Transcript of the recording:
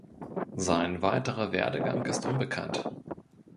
Sein weiterer Werdegang ist unbekannt.